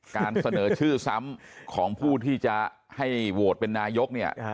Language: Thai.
การเสนอชื่อซ้ำของผู้ที่จะให้โหวตเป็นนายกเนี่ย